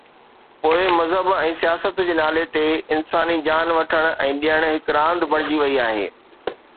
پوءِ مذهب ۽ سياست جي نالي تي انساني جان وٺڻ ۽ ڏيڻ هڪ راند بڻجي وئي آهي.